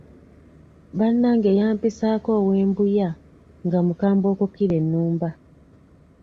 Bannange yampisaako ow'e Mbuya, nga mukambwe okukira ennumba!